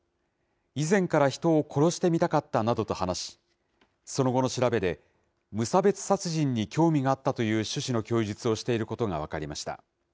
以前から人を殺してみたかったなどと話し、その後の調べで、無差別殺人に興味があったという趣旨の供述をしていることが分かりました。